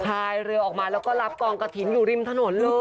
พายเรือออกมาแล้วก็รับกองกระถิ่นอยู่ริมถนนเลย